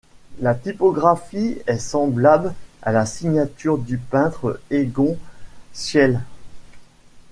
La typographie est semblable à la signature du peintre Egon Schiele.